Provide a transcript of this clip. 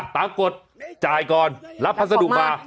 ปรากฏจ่ายก่อนรับพัสดุมา